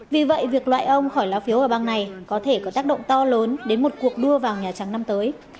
vì vậy việc loại ông khỏi lá phiếu ở bang này có thể có tác động to lớn đến một cuộc đua vào nhà trắng năm tới